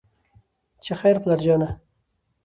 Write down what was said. چې خېره پلار جانه